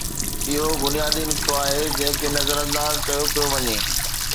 اهو بنيادي نقطو آهي جنهن کي نظرانداز ڪيو پيو وڃي.